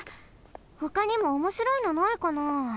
ほかにもおもしろいのないかな？